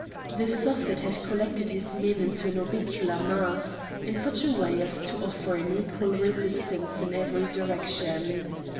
The Suffet had collected his men into an orbicular mass, in such a way as to offer an equal resistance in every direction.